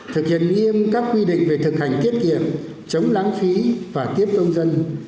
thực hiện nghiêm các quy định về thực hành tiết kiệm chống lãng phí và tiếp công dân